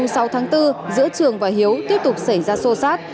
sau tháng bốn giữa trường và hiếu tiếp tục xảy ra sô sát